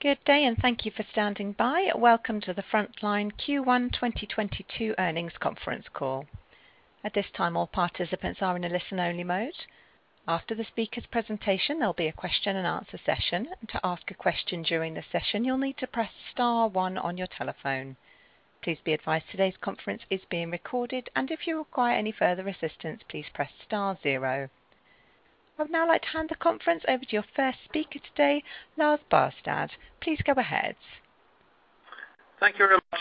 Good day, and thank you for standing by. Welcome to the Frontline Q1 2022 earnings conference call. At this time, all participants are in a listen-only mode. After the speaker's presentation, there'll be a question-and-answer session. To ask a question during the session, you'll need to press star one on your telephone. Please be advised today's conference is being recorded, and if you require any further assistance, please press star zero. I would now like to hand the conference over to your first speaker today, Lars Barstad. Please go ahead. Thank you very much.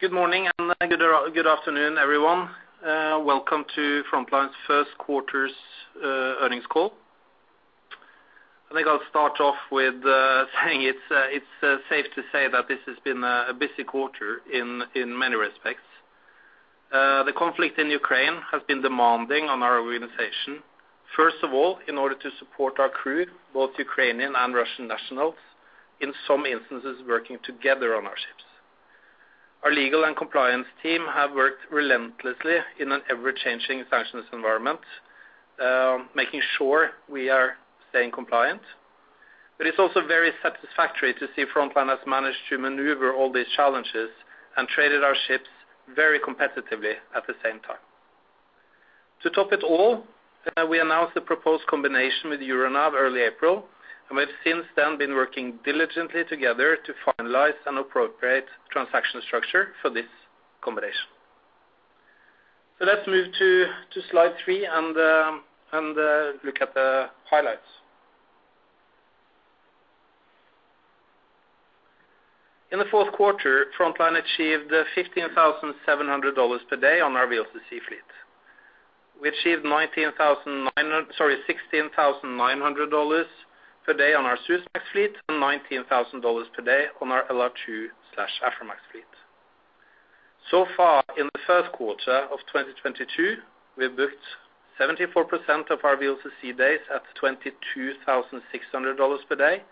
Good morning and good afternoon, everyone. Welcome to Frontline's first quarter's earnings call. I think I'll start off with saying it's safe to say that this has been a busy quarter in many respects. The conflict in Ukraine has been demanding on our organization. First of all, in order to support our crew, both Ukrainian and Russian nationals, in some instances working together on our ships. Our legal and compliance team have worked relentlessly in an ever-changing sanctions environment, making sure we are staying compliant. It's also very satisfactory to see Frontline has managed to maneuver all these challenges and traded our ships very competitively at the same time. To top it all, we announced a proposed combination with Euronav early April, and we've since then been working diligently together to finalize an appropriate transaction structure for this combination. Let's move to slide three and look at the highlights. In the fourth quarter, Frontline achieved $15,700 per day on our VLCC fleet. We achieved $16,900 per day on our Suezmax fleet and $19,000 per day on our LR2/Aframax fleet. So far in the first quarter of 2022, we've booked 74% of our VLCC days at $22,600 per day.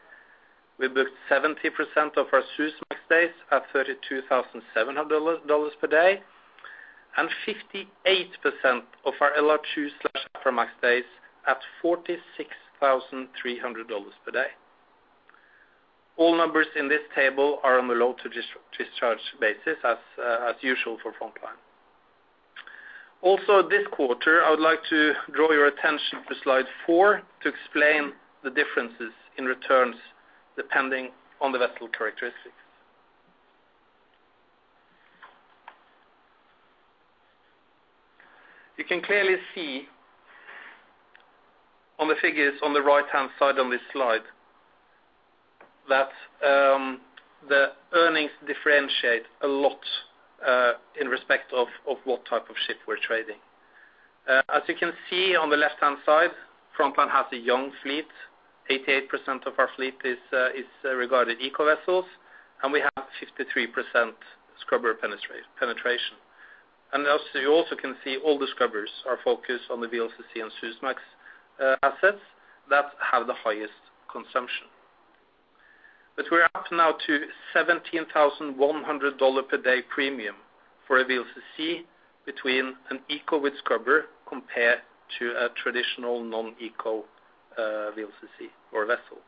We booked 70% of our Suezmax days at $32,700 per day, and 58% of our LR2/Aframax days at $46,300 per day. All numbers in this table are on the load-to-discharge basis as usual for Frontline. Also this quarter, I would like to draw your attention to slide four to explain the differences in returns depending on the vessel characteristics. You can clearly see on the figures on the right-hand side on this slide that the earnings differentiate a lot in respect of what type of ship we're trading. As you can see on the left-hand side, Frontline has a young fleet. 88% of our fleet is regarded eco vessels, and we have 63% scrubber penetration. You also can see all the scrubbers are focused on the VLCC and Suezmax assets that have the highest consumption. We're up now to $17,100 per day premium for a VLCC between an eco with scrubber compared to a traditional non-eco VLCC or vessel.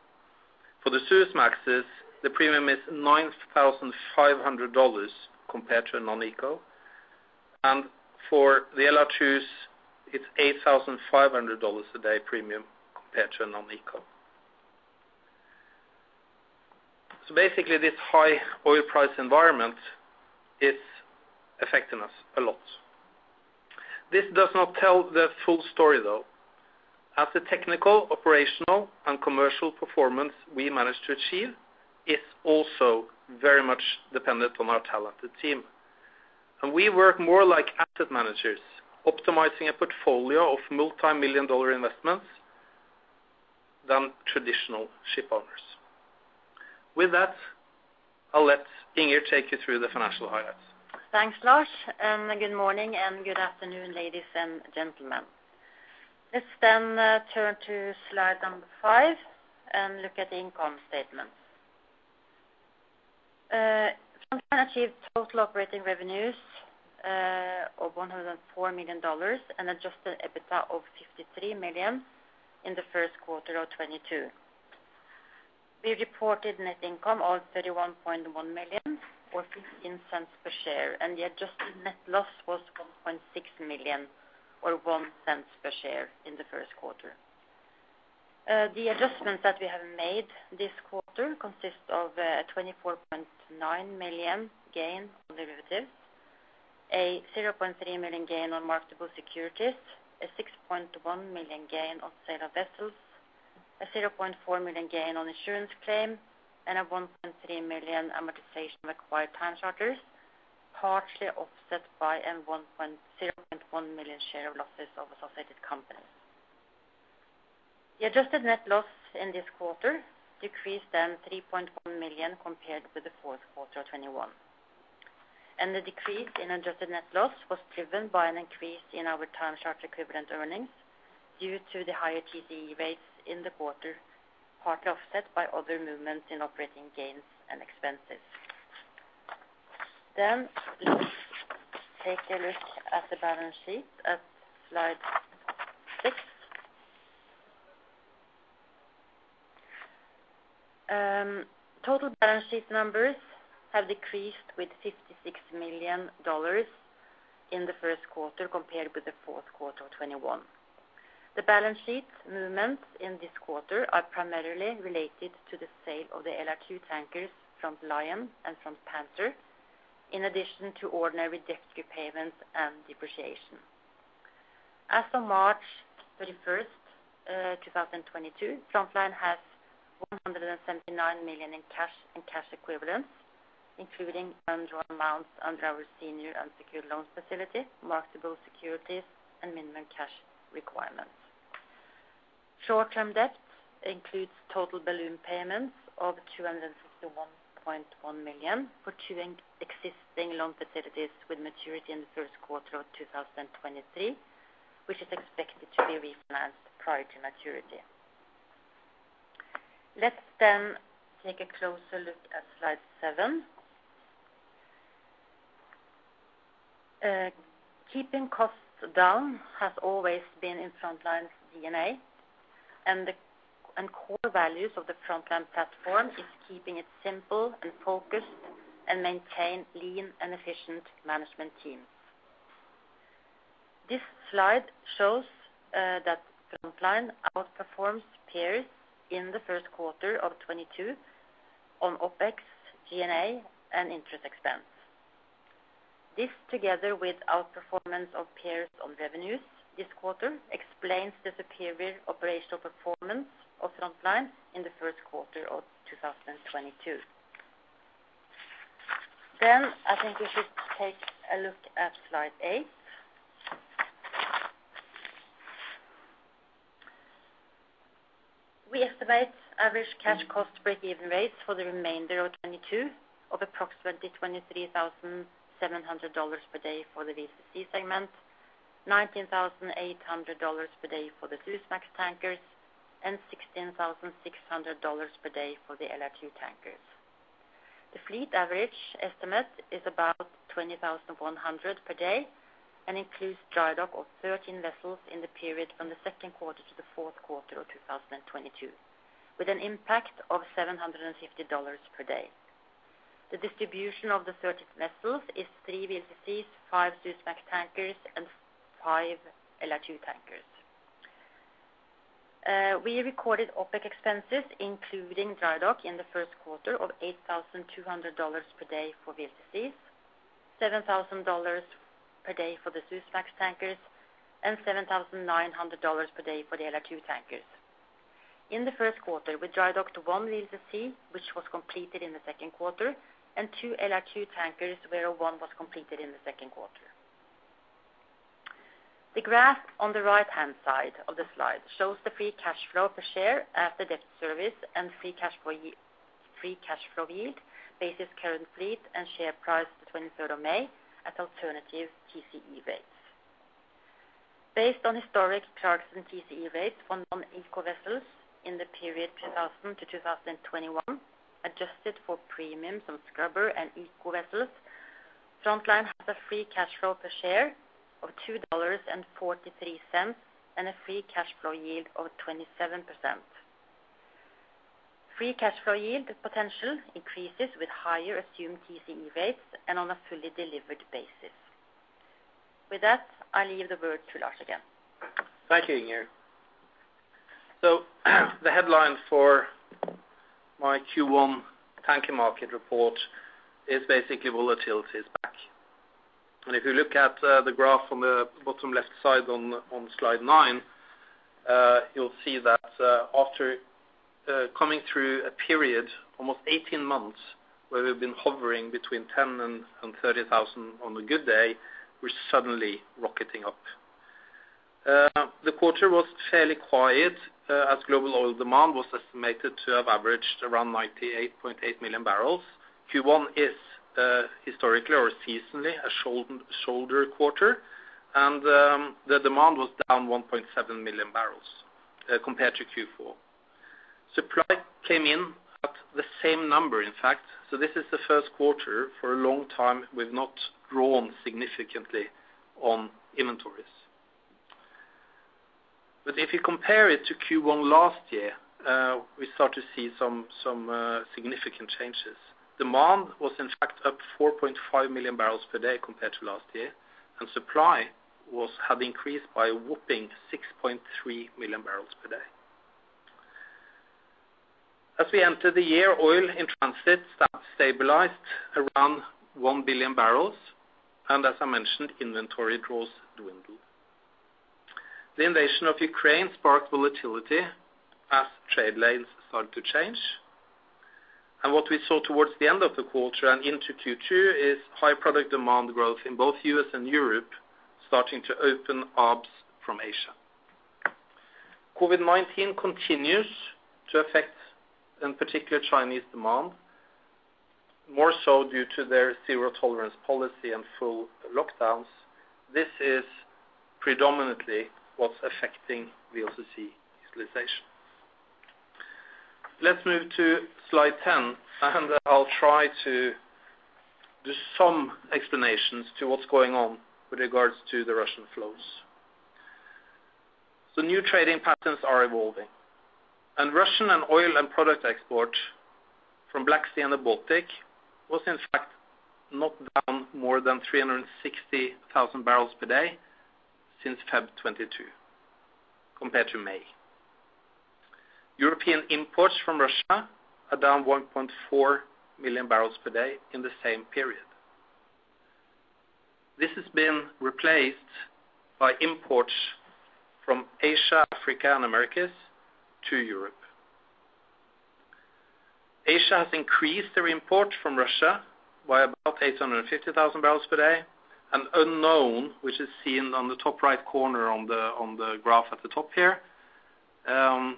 For the Suezmaxes, the premium is $9,500 compared to a non-eco, and for the LR2s, it's $8,500 a day premium compared to a non-eco. Basically this high oil price environment is affecting us a lot. This does not tell the full story, though. As the technical, operational, and commercial performance we managed to achieve is also very much dependent on our talented team. We work more like asset managers, optimizing a portfolio of multi-million dollar investments than traditional ship owners. With that, I'll let Inger take you through the financial highlights. Thanks, Lars, and good morning and good afternoon, ladies and gentlemen. Let's turn to slide number five and look at the income statement. Frontline achieved total operating revenues of $104 million and adjusted EBITDA of $53 million in the first quarter of 2022. We reported net income of $31.1 million, or $0.15 per share, and the adjusted net loss was $1.6 million, or $0.01 per share in the first quarter. The adjustments that we have made this quarter consist of a $24.9 million gain on derivatives, a $0.3 million gain on marketable securities, a $6.1 million gain on sale of vessels, a $0.4 million gain on insurance claim, and a $1.3 million amortization of acquired time charters, partially offset by a $0.1 million share of losses of associated companies. The adjusted net loss in this quarter decreased by $3.1 million compared with the fourth quarter of 2021. The decrease in adjusted net loss was driven by an increase in our time charter equivalent earnings due to the higher TCE rates in the quarter, partly offset by other movements in operating gains and expenses. Let's take a look at the balance sheet at slide six. Total balance sheet numbers have decreased with $56 million in the first quarter compared with the fourth quarter of 2021. The balance sheet movements in this quarter are primarily related to the sale of the LR2 tankers from Lion and from Panther, in addition to ordinary debt repayments and depreciation. As of March 31st, 2022, Frontline has $179 million in cash and cash equivalents, including undrawn amounts under our senior unsecured loan facility, marketable securities, and minimum cash requirements. Short-term debt includes total balloon payments of $261.1 million for two existing loan facilities with maturity in the first quarter of 2023, which is expected to be refinanced prior to maturity. Let's take a closer look at slide seven. Keeping costs down has always been in Frontline's DNA and core values of the Frontline platform is keeping it simple and focused and maintain lean and efficient management teams. This slide shows that Frontline outperforms peers in the first quarter of 2022 on OpEx, G&A, and interest expense. This together with outperformance of peers on revenues this quarter explains the superior operational performance of Frontline in the first quarter of 2022. I think we should take a look at slide eight. We estimate average cash cost break-even rates for the remainder of 2022 of approximately $23,700 per day for the VLCC segment, $19,800 per day for the Suezmax tankers, and $16,600 per day for the LR2 tankers. The fleet average estimate is about 20,100 per day and includes drydock of 13 vessels in the period from the second quarter to the fourth quarter of 2022, with an impact of $750 per day. The distribution of the 13 vessels is three VLCCs, five Suezmax tankers, and five LR2 tankers. We recorded OpEx expenses, including drydock in the first quarter of $8,200 per day for VLCCs, $7,000 per day for the Suezmax tankers, and $7,900 per day for the LR2 tankers. In the first quarter, we drydocked one VLCC, which was completed in the second quarter, and two LR2 tankers, where one was completed in the second quarter. The graph on the right-hand side of the slide shows the free cash flow per share at the debt service and free cash flow yield based on current fleet and share price the 23rd of May at alternative TCE rates. Based on historic Clarkson TCE rates on non-eco vessels in the period 2000 to 2021, adjusted for premiums on scrubber and eco vessels, Frontline has a free cash flow per share of $2.43, and a free cash flow yield of 27%. Free cash flow yield potential increases with higher assumed TCE rates and on a fully delivered basis. With that, I leave the word to Lars again. Thank you, Inger. The headline for my Q1 tanker market report is basically volatility is back. If you look at the graph on the bottom left side on slide nine, you'll see that after coming through a period almost 18 months where we've been hovering between 10 and 30,000 on a good day, we're suddenly rocketing up. The quarter was fairly quiet as global oil demand was estimated to have averaged around 98.8 million barrels. Q1 is historically or seasonally a shoulder quarter, and the demand was down 1.7 million barrels compared to Q4. Supply came in at the same number, in fact. This is the first quarter for a long time we've not drawn significantly on inventories. If you compare it to Q1 last year, we start to see some significant changes. Demand was, in fact, up 4.5 million barrels per day compared to last year, and supply had increased by a whopping 6.3 million barrels per day. As we enter the year, oil in transit start to stabilize around 1 billion barrels, and as I mentioned, inventory draws dwindle. The invasion of Ukraine sparked volatility as trade lanes started to change. What we saw towards the end of the quarter and into Q2 is high product demand growth in both U.S. and Europe starting to open up from Asia. COVID-19 continues to affect, in particular, Chinese demand, more so due to their zero tolerance policy and full lockdowns. This is predominantly what's affecting VOCC utilization. Let's move to slide 10, and I'll try to do some explanations to what's going on with regards to the Russian flows. New trading patterns are evolving, and Russian crude oil and product export from Black Sea and the Baltic was in fact not down more than 360,000 barrels per day since Feb 2022 compared to May. European imports from Russia are down 1.4 million barrels per day in the same period. This has been replaced by imports from Asia, Africa, and Americas to Europe. Asia has increased their imports from Russia by about 850,000 barrels per day. Unknown, which is seen on the top right corner on the graph at the top here, adds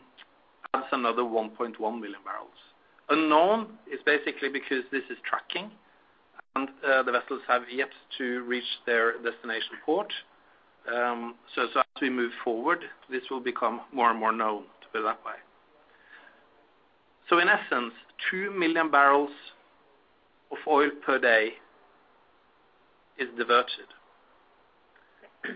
another 1.1 million barrels. Unknown is basically because this is tracking and, the vessels have yet to reach their destination port, so as we move forward, this will become more and more known to go that way. In essence, 2 million barrels of oil per day is diverted.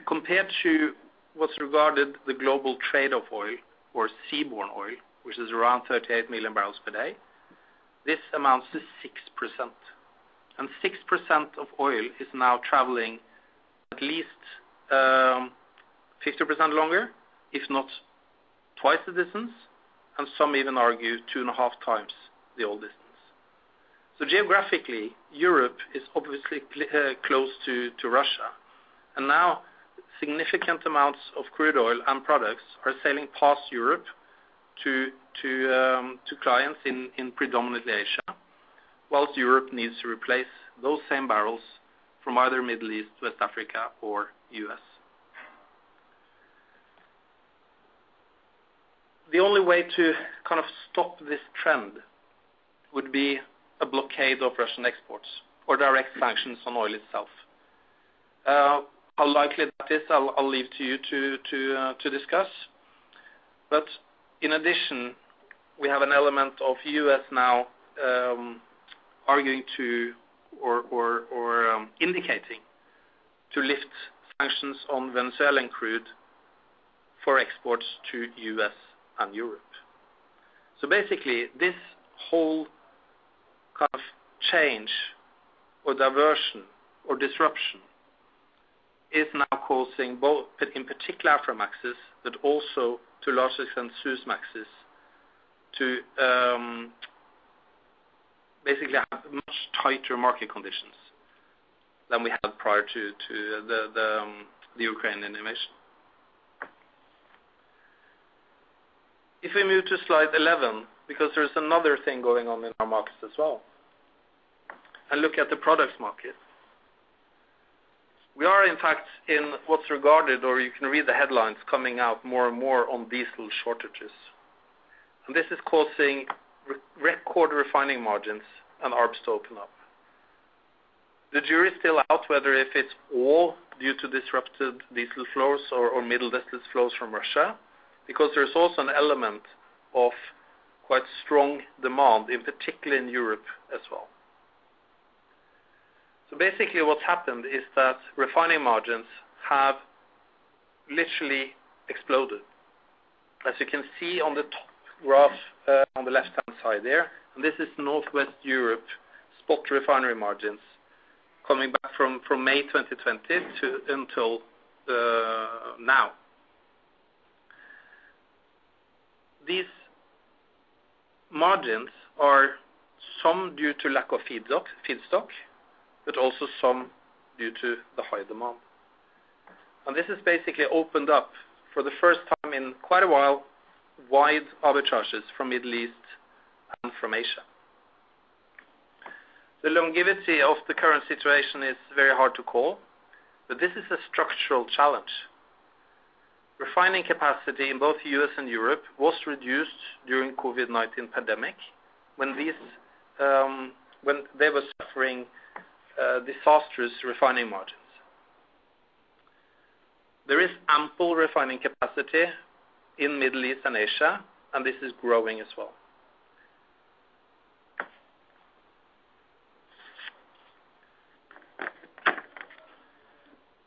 Compared to what's regarded the global trade of oil or seaborne oil, which is around 38 million barrels per day, this amounts to 6%. 6% of oil is now traveling at least, 50% longer, if not twice the distance, and some even argue 2.5x the old distance. Geographically, Europe is obviously close to Russia, and now significant amounts of crude oil and products are sailing past Europe to clients in predominantly Asia, while Europe needs to replace those same barrels from either Middle East, West Africa, or U.S.. The only way to kind of stop this trend would be a blockade of Russian exports or direct sanctions on oil itself. How likely that is, I'll leave to you to discuss. In addition, we have an element of U.S. now indicating to lift sanctions on Venezuelan crude for exports to U.S. and Europe. Basically this whole kind of change or diversion or disruption is now causing both in particular Aframaxes but also VLCCs and Suezmaxes to basically have much tighter market conditions than we had prior to the Ukrainian invasion. If we move to slide 11, because there's another thing going on in our markets as well, and look at the products market. We are in fact in what's regarded, or you can read the headlines coming out more and more on diesel shortages. And this is causing record refining margins and arbs to open up. The jury is still out whether it's all due to disrupted diesel flows or Middle Eastern flows from Russia, because there's also an element of quite strong demand, in particular in Europe as well. Basically what's happened is that refining margins have literally exploded. As you can see on the top graph, on the left-hand side there, and this is Northwest Europe spot refinery margins coming back from May 2020 until now. These margins are somewhat due to lack of feedstock, but also somewhat due to the high demand. This has basically opened up for the first time in quite a while wide arbitrages from Middle East and from Asia. The longevity of the current situation is very hard to call, but this is a structural challenge. Refining capacity in both U.S. and Europe was reduced during COVID-19 pandemic when they were suffering disastrous refining margins. There is ample refining capacity in Middle East and Asia, and this is growing as well.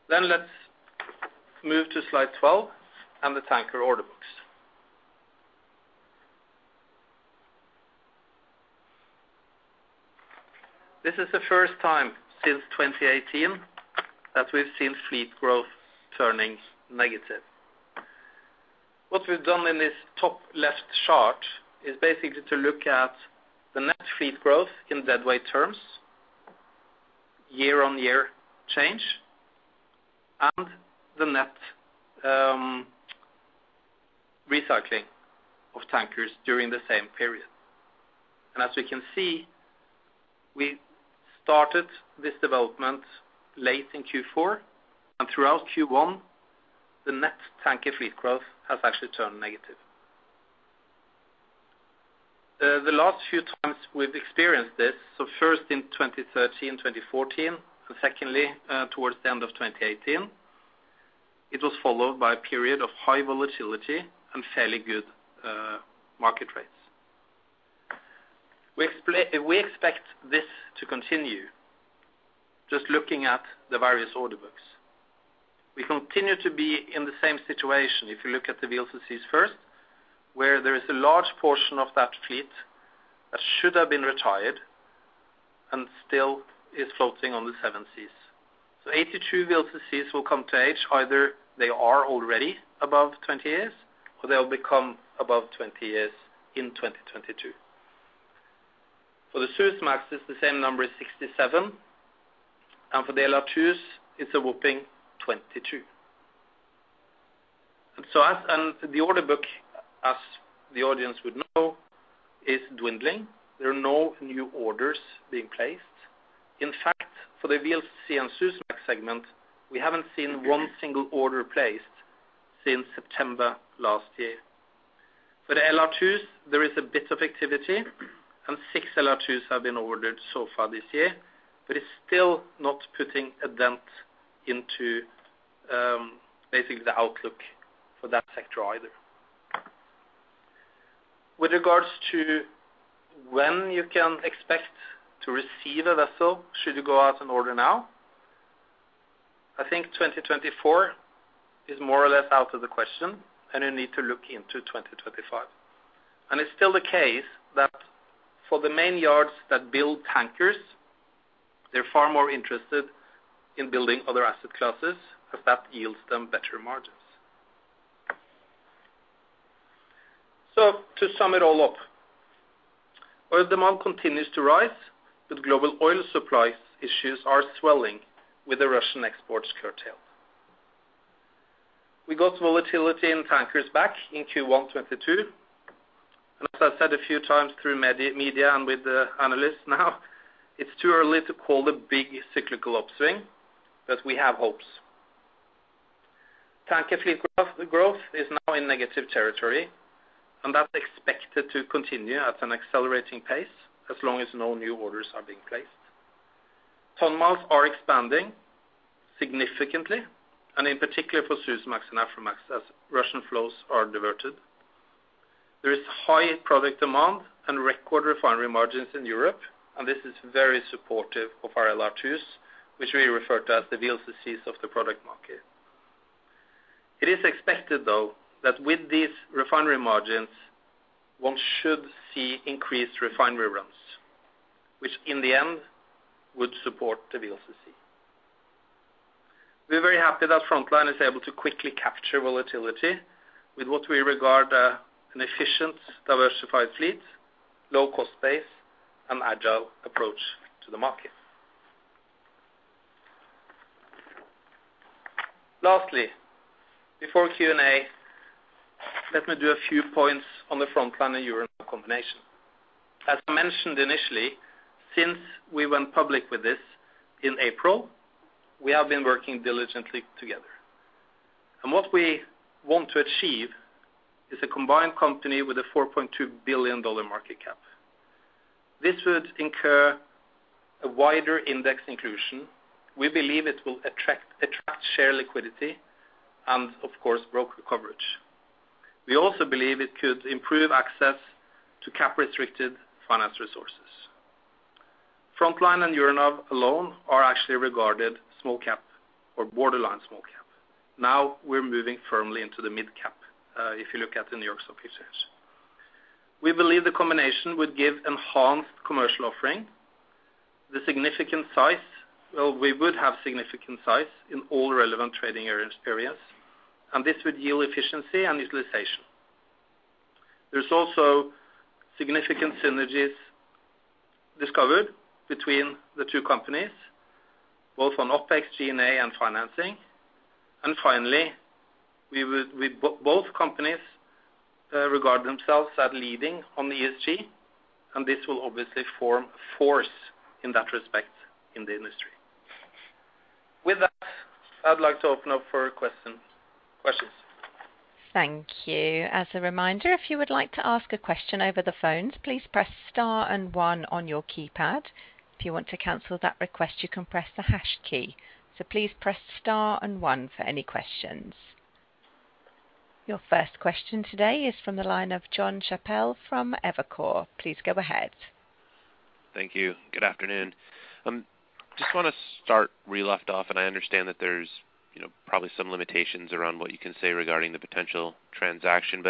Let's move to slide 12 and the tanker order books. This is the first time since 2018 that we've seen fleet growth turning negative. What we've done in this top left chart is basically to look at the net fleet growth in deadweight terms, year-on-year change, and the net recycling of tankers during the same period. As we can see, we started this development late in Q4, and throughout Q1, the net tanker fleet growth has actually turned negative. The last few times we've experienced this, so first in 2013, 2014, and secondly, towards the end of 2018. It was followed by a period of high volatility and fairly good market rates. We expect this to continue just looking at the various order books. We continue to be in the same situation if you look at the VLCCs first, where there is a large portion of that fleet that should have been retired and still is floating on the seven seas. 82 VLCCs will come to age. Either they are already above 20 years or they'll become above 20 years in 2022. For the Suezmax, it's the same number as 67, and for the LR2s, it's a whopping 22. The order book, as the audience would know, is dwindling. There are no new orders being placed. In fact, for the VLCC and Suezmax segment, we haven't seen one single order placed since September last year. For the LR2s, there is a bit of activity, and six LR2s have been ordered so far this year, but it's still not putting a dent into basically the outlook for that sector either. With regards to when you can expect to receive a vessel should you go out and order now, I think 2024 is more or less out of the question, and you need to look into 2025. It's still the case that for the main yards that build tankers, they're far more interested in building other asset classes as that yields them better margins. To sum it all up, oil demand continues to rise, but global oil supply issues are swelling with the Russian exports curtailed. We got volatility in tankers back in Q1 2022. As I said a few times through media and with the analysts now, it's too early to call a big cyclical upswing, but we have hopes. Tanker fleet growth is now in negative territory, and that's expected to continue at an accelerating pace as long as no new orders are being placed. Ton miles are expanding significantly and in particular for Suezmax and Aframax as Russian flows are diverted. There is high product demand and record refinery margins in Europe, and this is very supportive of our LR2s, which we refer to as the VLCCs of the product market. It is expected, though, that with these refinery margins, one should see increased refinery runs, which in the end would support the VLCC. We're very happy that Frontline is able to quickly capture volatility with what we regard an efficient, diversified fleet, low cost base, and agile approach to the market. Lastly, before Q&A, let me do a few points on the Frontline and Euronav combination. As mentioned initially, since we went public with this in April, we have been working diligently together. What we want to achieve is a combined company with a $4.2 billion market cap. This would ensure a wider index inclusion. We believe it will attract share liquidity and of course broker coverage. We also believe it could improve access to capital-restricted financing resources. Frontline and Euronav alone are actually regarded small-cap or borderline small-cap. Now we're moving firmly into the mid-cap, if you look at the New York Stock Exchange. We believe the combination would give enhanced commercial offering. Well, we would have significant size in all relevant trading areas, and this would yield efficiency and utilization. There's also significant synergies discovered between the two companies, both on OpEx, G&A and financing. Finally, both companies regard themselves as leading on ESG, and this will obviously form a force in that respect in the industry. With that, I'd like to open up for questions. Questions. Thank you. As a reminder, if you would like to ask a question over the phones, please press star and one on your keypad. If you want to cancel that request, you can press the hash key. Please press star and one for any questions. Your first question today is from the line of Jon Chappell from Evercore. Please go ahead. Thank you. Good afternoon. Just wanna start where you left off, and I understand that there's, you know, probably some limitations around what you can say regarding the potential transaction.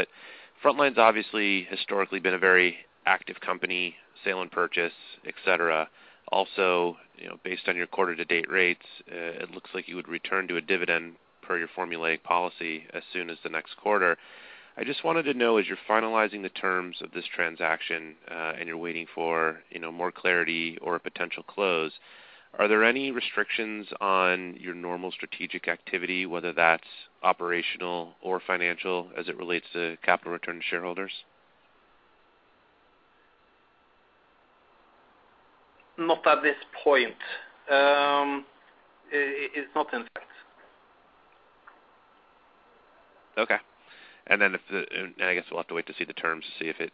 Frontline's obviously historically been a very active company, sale and purchase, et cetera. Also, you know, based on your quarter to date rates, it looks like you would return to a dividend per your formulaic policy as soon as the next quarter. I just wanted to know, as you're finalizing the terms of this transaction, and you're waiting for, you know, more clarity or a potential close, are there any restrictions on your normal strategic activity, whether that's operational or financial as it relates to capital return to shareholders? Not at this point. It's not in fact. Okay. I guess we'll have to wait to see the terms to see if it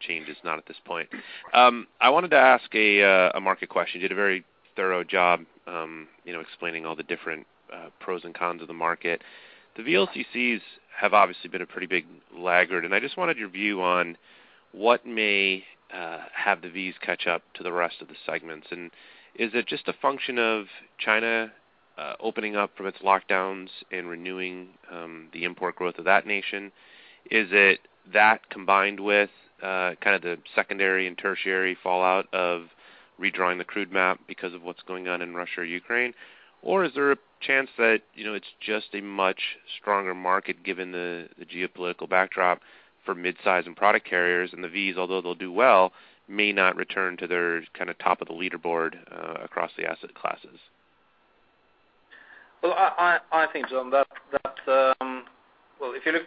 changes, not at this point. I wanted to ask a market question. You did a very thorough job, you know, explaining all the different pros and cons of the market. The VLCCs have obviously been a pretty big laggard, and I just wanted your view on what may have the Vs catch up to the rest of the segments. Is it just a function of China opening up from its lockdowns and renewing the import growth of that nation? Is it that combined with kind of the secondary and tertiary fallout of redrawing the crude map because of what's going on in Russia or Ukraine? is there a chance that, you know, it's just a much stronger market given the geopolitical backdrop for mid-size and product carriers and the Vs, although they'll do well, may not return to their kind of top of the leaderboard, across the asset classes? Well, if you look,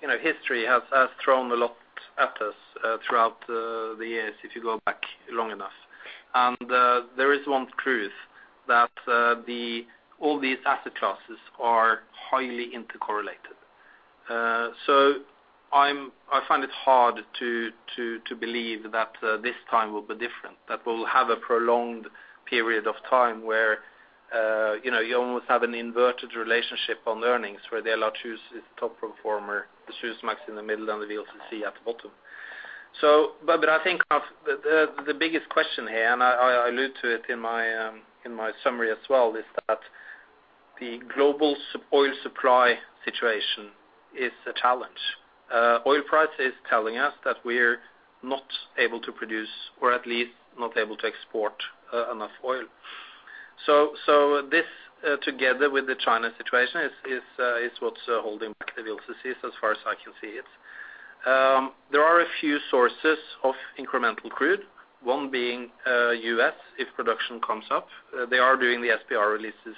you know, history has thrown a lot at us throughout the years if you go back long enough. There is one truth that all these asset classes are highly intercorrelated. I find it hard to believe that this time will be different, that we'll have a prolonged period of time where, you know, you almost have an inverted relationship on earnings where the LR2 is top performer, the Suezmax in the middle, and the VLCC at the bottom. I think of the biggest question here, and I allude to it in my summary as well, is that the global oil supply situation is a challenge. Oil price is telling us that we're not able to produce or at least not able to export enough oil. This, together with the China situation, is what's holding back the VLCCs as far as I can see it. There are a few sources of incremental crude, one being U.S. if production comes up. They are doing the SPR releases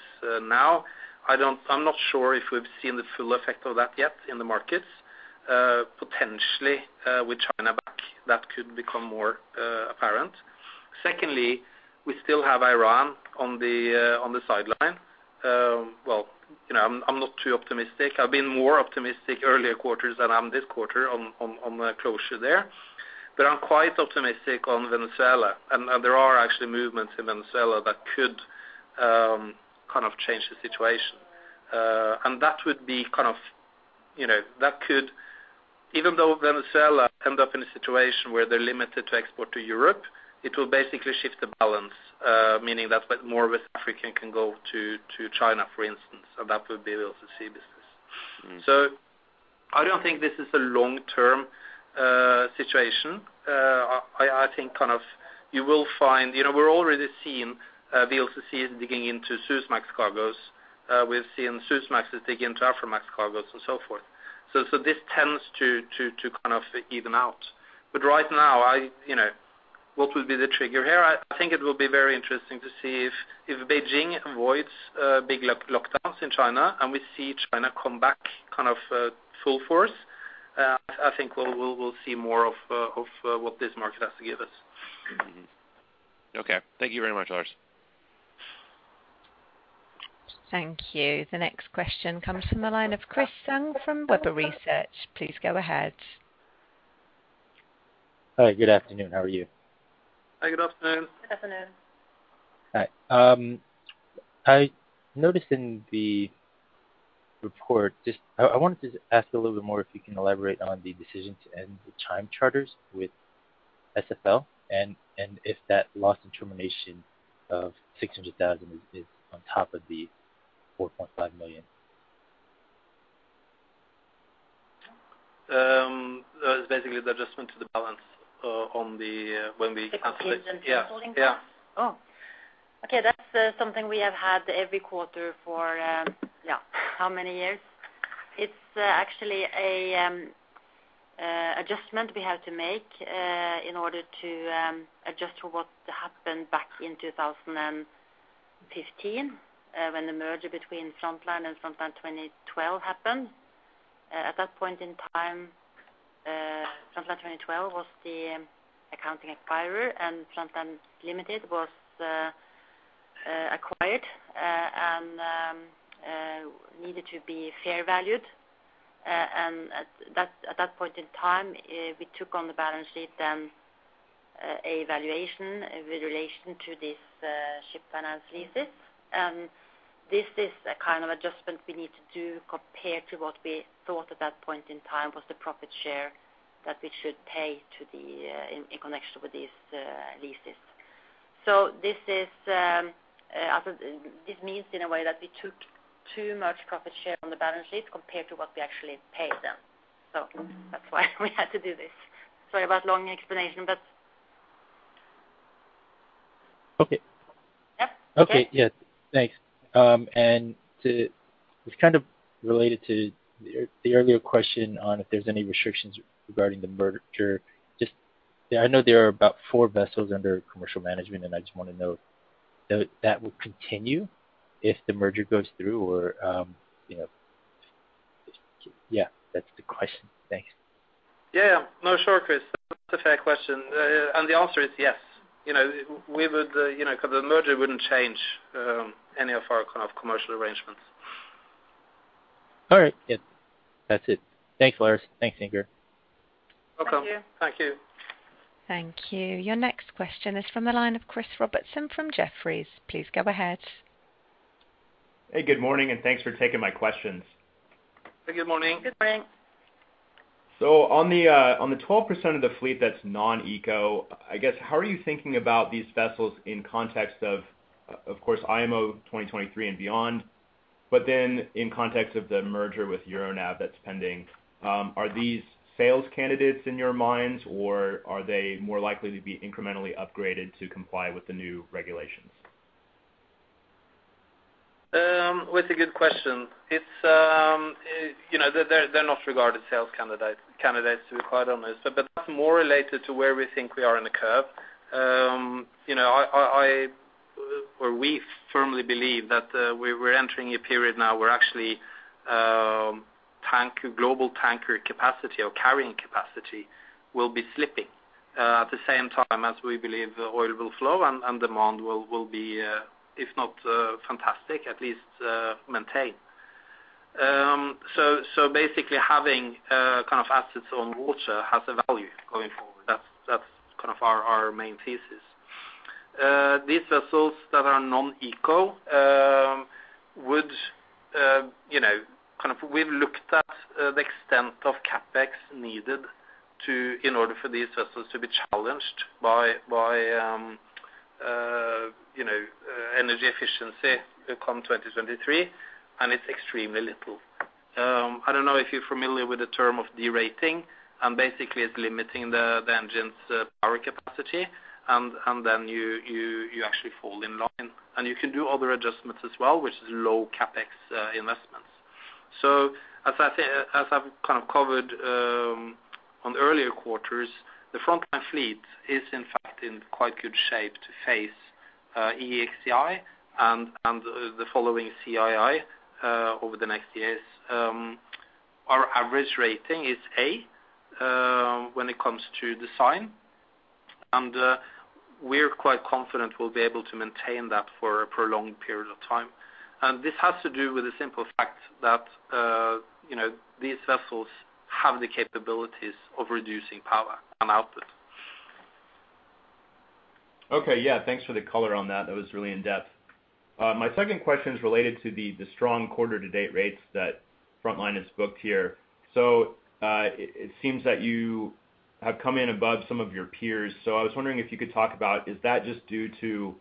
now. I'm not sure if we've seen the full effect of that yet in the markets. Potentially, with China back, that could become more apparent. Secondly, we still have Iran on the sideline. Well, you know, I'm not too optimistic. I've been more optimistic earlier quarters than I'm this quarter on the closure there. I'm quite optimistic on Venezuela, and there are actually movements in Venezuela that could kind of change the situation. That would be kind of, you know, even though Venezuela ends up in a situation where they're limited to export to Europe, it will basically shift the balance, meaning that's what more West African can go to China, for instance, and that would be VLCC business. Mm. I don't think this is a long-term situation. I think kind of you will find, you know, we're already seeing VLCCs digging into Suezmax cargoes. We've seen Suezmaxes dig into Aframax cargoes and so forth. This tends to kind of even out. Right now, you know, what will be the trigger here? I think it will be very interesting to see if Beijing avoids big lockdowns in China and we see China come back kind of full force. I think we'll see more of what this market has to give us. Mm-hmm. Okay. Thank you very much, Lars. Thank you. The next question comes from the line of Chris Tsung from Webber Research. Please go ahead. Hi, good afternoon. How are you? Hi, good afternoon. Good afternoon. Hi. I noticed in the report. I wanted to ask a little bit more if you can elaborate on the decision to end the time charters with SFL and if that loss and termination of $600,000 is on top of the $4.5 million. That was basically the adjustment to the balance, on the, when we canceled it. 16 and withholding tax? Yeah. Yeah. Oh. Okay, that's something we have had every quarter for, yeah, how many years. It's actually a adjustment we have to make in order to adjust for what happened back in 2015, when the merger between Frontline and Frontline 2012 happened. At that point in time, Frontline 2012 was the accounting acquirer, and Frontline Limited was acquired and needed to be fair valued. At that point in time, we took on the balance sheet then a valuation with relation to this ship finance leases. This is a kind of adjustment we need to do compared to what we thought at that point in time was the profit share that we should pay to the in connection with these leases. This means in a way that we took too much profit share on the balance sheet compared to what we actually paid them. That's why we had to do this. Sorry about long explanation, but. Okay. Yeah. Okay? Okay. Yeah. Thanks. It's kind of related to the earlier question on if there's any restrictions regarding the merger. Just, yeah, I know there are about four vessels under commercial management, and I just wanna know that that will continue if the merger goes through or, you know, yeah, that's the question. Thanks. Yeah. No, sure, Chris, that's a fair question. The answer is yes. You know, we would, you know, 'cause the merger wouldn't change any of our kind of commercial arrangements. All right. Yeah, that's it. Thanks, Lars. Thanks, Inger. Welcome. Thank you. Thank you. Thank you. Your next question is from the line of Chris Robertson from Jefferies. Please go ahead. Hey, good morning, and thanks for taking my questions. Hey, good morning. Good morning. On the 12% of the fleet that's non-eco, I guess, how are you thinking about these vessels in context of course, IMO 2023 and beyond, but then in context of the merger with Euronav that's pending, are these sales candidates in your minds, or are they more likely to be incrementally upgraded to comply with the new regulations? That's a good question. It's you know they're not regarded as sales candidates to be quite honest but that's more related to where we think we are in the curve. You know or we firmly believe that we're entering a period now where actually global tanker capacity or carrying capacity will be slipping at the same time as we believe oil will flow and demand will be if not fantastic at least maintained. So basically having kind of assets on water has a value going forward. That's kind of our main thesis. These vessels that are non-eco, you know, kind of we've looked at the extent of CapEx needed in order for these vessels to be challenged by you know energy efficiency come 2023, and it's extremely little. I don't know if you're familiar with the term of derating, and basically it's limiting the engines' power capacity, and then you actually fall in line. You can do other adjustments as well, which is low CapEx investments. As I say, as I've kind of covered on the earlier quarters, the Frontline fleet is in fact in quite good shape to face EEXI and the following CII over the next years. Our average rating is A, when it comes to design, and we're quite confident we'll be able to maintain that for a prolonged period of time. This has to do with the simple fact that, you know, these vessels have the capabilities of reducing power and output. Okay. Yeah, thanks for the color on that. That was really in-depth. My second question is related to the strong quarter to date rates that Frontline has booked here. It seems that you have come in above some of your peers. I was wondering if you could talk about, is that just due to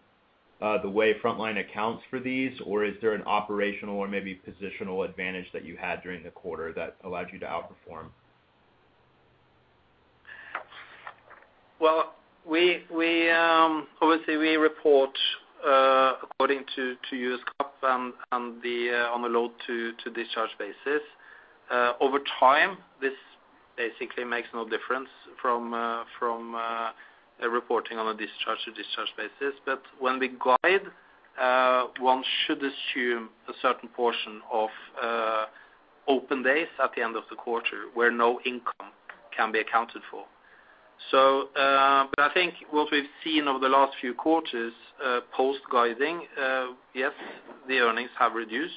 the way Frontline accounts for these, or is there an operational or maybe positional advantage that you had during the quarter that allowed you to outperform? We obviously report according to U.S. GAAP and the load-to-discharge basis. Over time, this basically makes no difference from a reporting on a discharge-to-discharge basis. When we guide, one should assume a certain portion of open days at the end of the quarter where no income can be accounted for. I think what we've seen over the last few quarters post-guiding, yes, the earnings have reduced,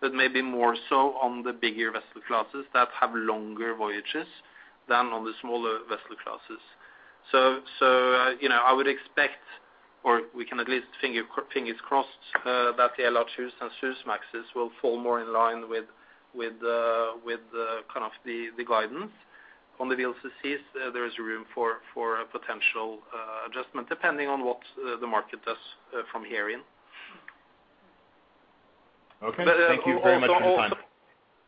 but maybe more so on the bigger vessel classes that have longer voyages than on the smaller vessel classes. You know, I would expect, or we can at least fingers crossed, that the LR2s and Suezmaxes will fall more in line with the kind of guidance. On the VLCCs, there is room for a potential adjustment depending on what the market does from herein. Okay. Thank you very much for your time.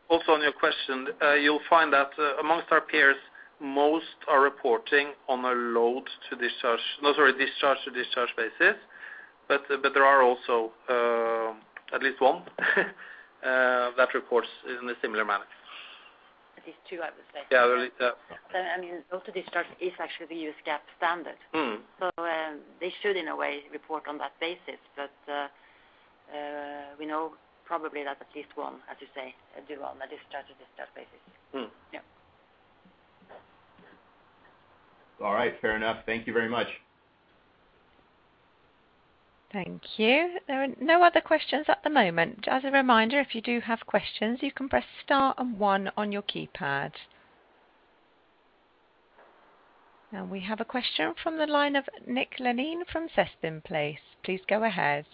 Also on your question, you'll find that among our peers, most are reporting on a discharge-to-discharge basis, but there are also at least one that reports in a similar manner. At least two, I would say. Yeah, at least, yeah. I mean, load-to-discharge is actually the U.S. GAAP standard. Mm. They should, in a way, report on that basis. We know probably that at least one, as you say, do on a discharge-to-discharge basis. Mm. Yeah. All right. Fair enough. Thank you very much. Thank you. There are no other questions at the moment. Just a reminder, if you do have questions, you can press star and one on your keypad. Now we have a question from the line of Nick Lanine from Sessin Place. Please go ahead.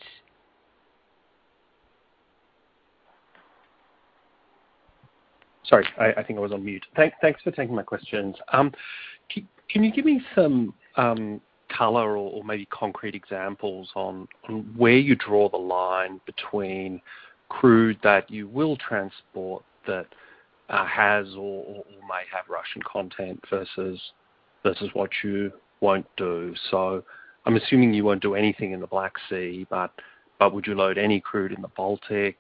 Sorry, I think I was on mute. Thanks for taking my questions. Can you give me some color or maybe concrete examples on where you draw the line between crude that you will transport that has or may have Russian content versus what you won't do. I'm assuming you won't do anything in the Black Sea, but would you load any crude in the Baltic?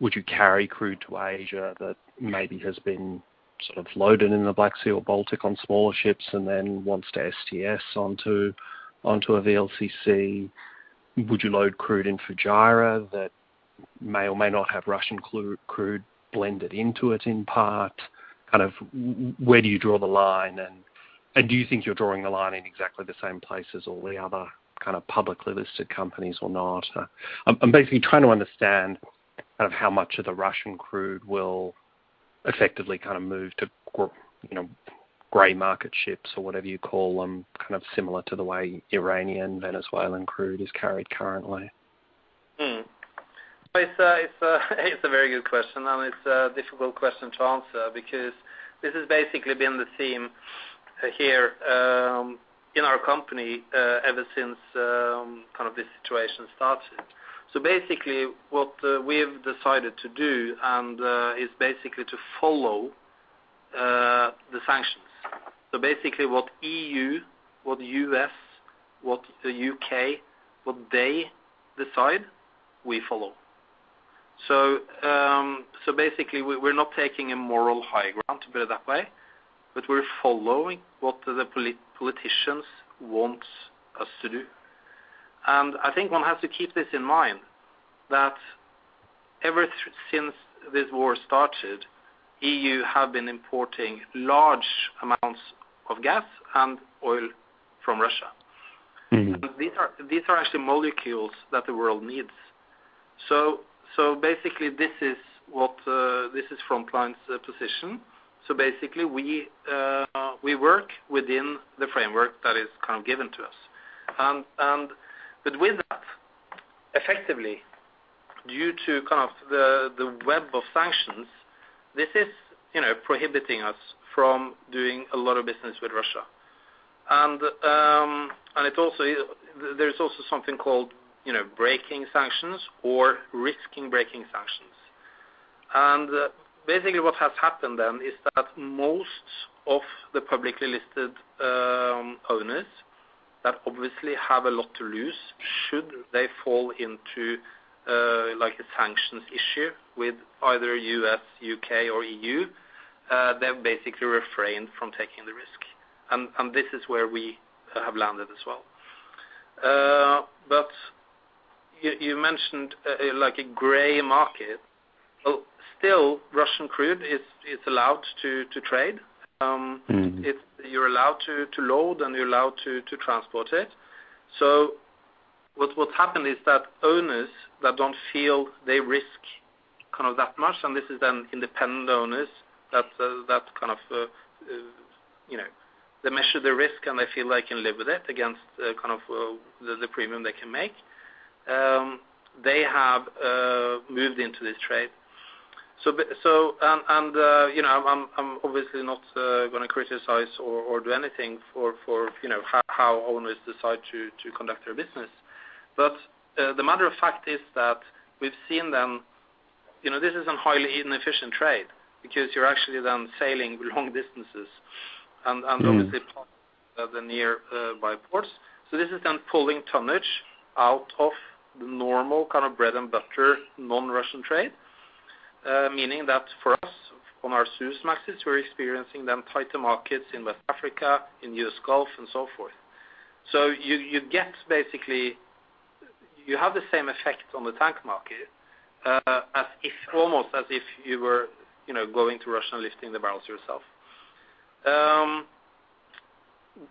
Would you carry crude to Asia that maybe has been sort of loaded in the Black Sea or Baltic on smaller ships and then wants to STS onto a VLCC? Would you load crude in Fujairah that may or may not have Russian crude blended into it in part. Kind of where do you draw the line? Do you think you're drawing the line in exactly the same place as all the other kind of publicly listed companies or not? I'm basically trying to understand kind of how much of the Russian crude will effectively kind of move to you know, gray market ships or whatever you call them, kind of similar to the way Iranian, Venezuelan crude is carried currently. It's a very good question, and it's a difficult question to answer because this has basically been the theme here in our company ever since kind of this situation started. Basically, what we have decided to do and is basically to follow the sanctions. Basically what E.U., what U.S., what the U.K., what they decide, we follow. So basically we're not taking a moral high ground, to put it that way, but we're following what the politicians want us to do. I think one has to keep this in mind, that since this war started, E.U. have been importing large amounts of gas and oil from Russia. Mm-hmm. These are actually molecules that the world needs. So basically this is from client's position. So basically we work within the framework that is kind of given to us. But with that, effectively, due to kind of the web of sanctions, this is, you know, prohibiting us from doing a lot of business with Russia. It also. There's also something called, you know, breaking sanctions or risking breaking sanctions. Basically what has happened then is that most of the publicly listed owners that obviously have a lot to lose should they fall into like a sanctions issue with either U.S., U.K. or E.U., they've basically refrained from taking the risk. This is where we have landed as well. You mentioned like a gray market. Well, still Russian crude is allowed to trade. Mm-hmm. You're allowed to load and you're allowed to transport it. What's happened is that owners that don't feel they risk kind of that much, and this is then independent owners, that kind of you know, they measure the risk and they feel they can live with it against kind of the premium they can make, they have moved into this trade. And you know, I'm obviously not gonna criticize or do anything for you know how owners decide to conduct their business. The matter of fact is that we've seen them you know, this is a highly inefficient trade because you're actually then sailing long distances and. Mm-hmm. Obviously the nearby ports. This is then pulling tonnage out of the normal kind of bread and butter non-Russian trade, meaning that for us on our Suezmaxes, we're experiencing the tighter markets in West Africa, in U.S. Gulf and so forth. You get basically. You have the same effect on the tanker market, as if almost as if you were, you know, going to Russia and lifting the barrels yourself.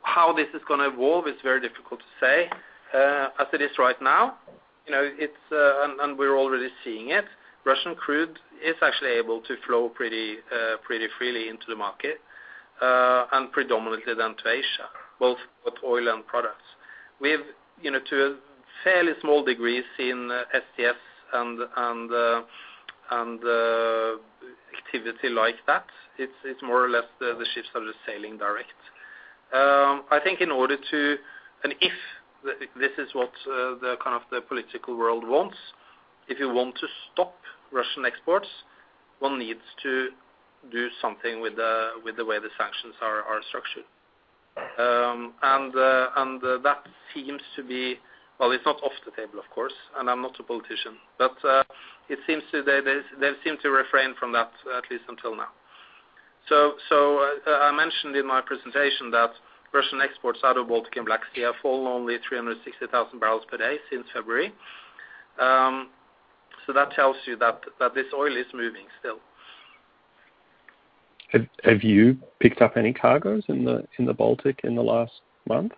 How this is gonna evolve is very difficult to say. As it is right now, you know, it's and we're already seeing it, Russian crude is actually able to flow pretty freely into the market, and predominantly then to Asia, both with oil and products. We've, you know, to a fairly small degree seen STS and the activity like that. It's more or less the ships are just sailing direct. I think in order to and if this is what the kind of the political world wants, if you want to stop Russian exports, one needs to do something with the way the sanctions are structured. That seems to be. Well, it's not off the table, of course, and I'm not a politician, but it seems they they've seemed to refrain from that at least until now. I mentioned in my presentation that Russian exports out of Baltic and Black Sea have fallen only 360,000 barrels per day since February. That tells you that this oil is moving still. Have you picked up any cargos in the Baltic in the last month?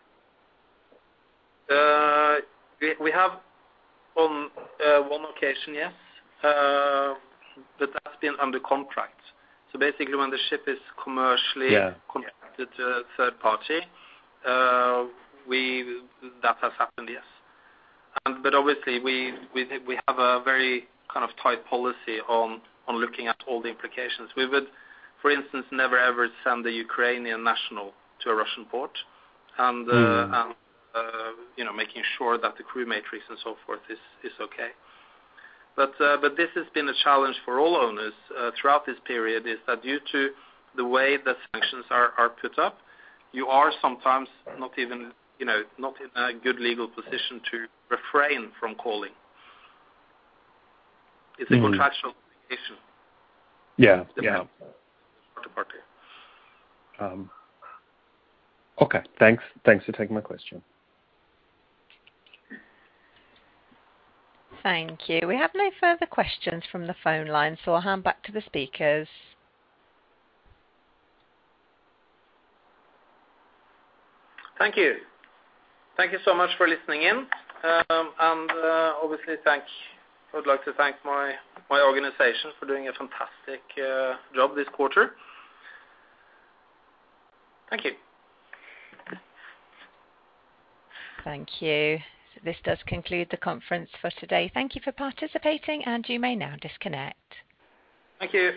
We have on one occasion, yes. That's been under contract. Basically when the ship is commercially- Yeah. Contracted to a third party, that has happened, yes. Obviously we have a very kind of tight policy on looking at all the implications. We would, for instance, never, ever send a Ukrainian national to a Russian port. Mm-hmm. You know, making sure that the crew matrix and so forth is okay. This has been a challenge for all owners throughout this period, is that due to the way that sanctions are put up, you are sometimes not even, you know, not in a good legal position to refrain from calling. Mm-hmm. It's a contractual issue. Yeah. Yeah. The party. Okay. Thanks for taking my question. Thank you. We have no further questions from the phone line, so I'll hand back to the speakers. Thank you. Thank you so much for listening in. Obviously, I would like to thank my organization for doing a fantastic job this quarter. Thank you. Thank you. This does conclude the conference for today. Thank you for participating and you may now disconnect. Thank you.